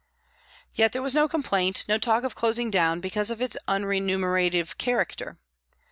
Yet there was no complaint, no talk of closing down because of its unremunera tive character.